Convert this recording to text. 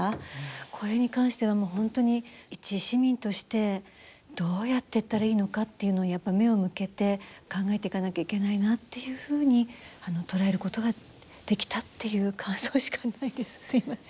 これに関しては、もう本当に一市民としてどうやっていったらいいのかっていうのを、やっぱり目を向けて考えていかなきゃいけないなっていうふうに捉えることができたっていう感想しかないです、すみません。